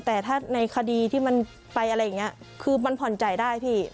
แต่ถ้าในคดีที่มันไปอะไรอย่างนี้คือมันผ่อนใจได้พี่